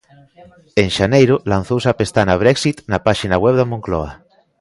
En xaneiro, lanzouse a pestana brexit na páxina web da Moncloa.